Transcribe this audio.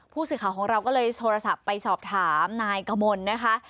ผู้สื่อข่าวของเราก็เลยโทรศัพท์ไปสอบถามนายกมลนะคะ